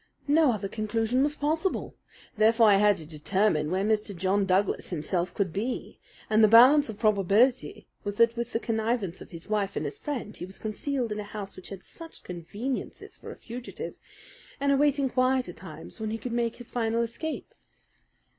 No other conclusion was possible. Therefore I had to determine where Mr. John Douglas himself could be, and the balance of probability was that with the connivance of his wife and his friend he was concealed in a house which had such conveniences for a fugitive, and awaiting quieter times when he could make his final escape."